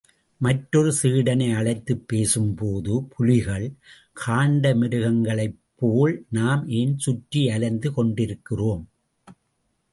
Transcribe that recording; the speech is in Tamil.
மற்றொகு சீடனை அழைத்து பேசும்போது புலிகள், காண்ட மிருகங்களைப் போல நாம் ஏன் சுற்றி அலைந்து கொண்டிருக்கிறோம்!